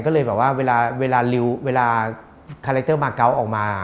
ก็เลยแบบว่าเวลาคาแรคเตอร์มาเกาะออกมา